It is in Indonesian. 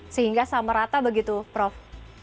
sehingga sama rata begitu prof